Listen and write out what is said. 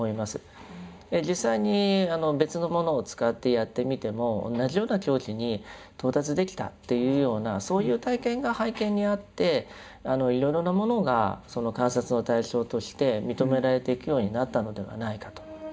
実際に別のものを使ってやってみても同じような境地に到達できたというようなそういう体験が背景にあっていろいろなものがその観察の対象として認められていくようになったのではないかと。